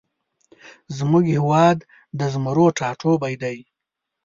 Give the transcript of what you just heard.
زمونږ هیواد د زمرو ټاټوبی دی